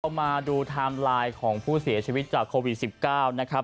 เอามาดูไทม์ไลน์ของผู้เสียชีวิตจากโควิด๑๙นะครับ